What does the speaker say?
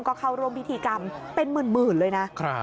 ก็เข้าร่วมพิธีกรรมเป็นหมื่นเลยนะ